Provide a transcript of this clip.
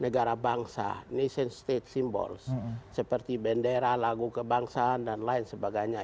negara bangsa nation state simbols seperti bendera lagu kebangsaan dan lain sebagainya